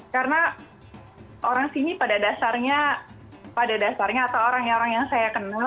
karena orang sini pada dasarnya pada dasarnya atau orang orang yang saya kenal